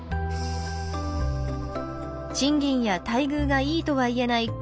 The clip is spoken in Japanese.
賃金や待遇がいいとは言えない